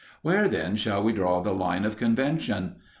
Where then shall we draw the line of convention?